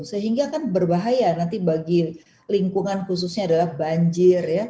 sehingga kan berbahaya nanti bagi lingkungan khususnya adalah banjir ya